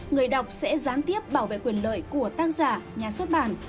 người đọc sẽ gián tiếp bảo vệ quyền lợi của tác giả nhà xuất bản